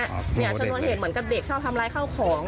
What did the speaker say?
๒๐๑๐เหมือนกับเด็กเข้าทำร้ายเข้าของ